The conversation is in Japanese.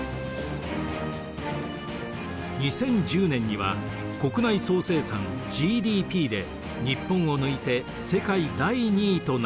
２０１０年には国内総生産ＧＤＰで日本を抜いて世界第２位となります。